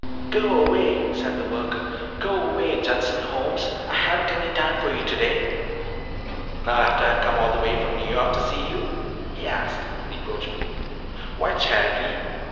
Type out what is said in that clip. "Go away," said the worker, "go away, Judson Holmes. I haven't any time for you today." "Not after I've come all the way from New York to see you?" he asked reproachfully. "Why, Charity!"